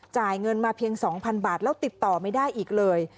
จ่ายเงินมาเพียง๒๐๐๐บาทแล้วติดต่อไม่ได้อีกเลย